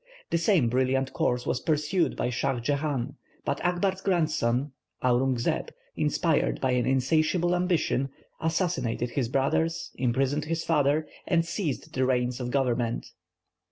The same brilliant course was pursued by Shah Jehan; but Akbar's grandson, Aurung Zeb, inspired by an insatiable ambition, assassinated his brothers, imprisoned his father, and seized the reins of government.